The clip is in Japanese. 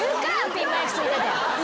ピンマイクついてて。